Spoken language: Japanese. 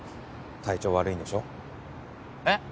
体調悪いんでしょう？えっ？